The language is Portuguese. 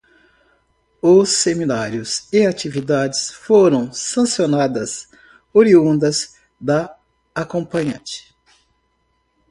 Os seminários e atividades foram sancionadas, oriundas da acompanhante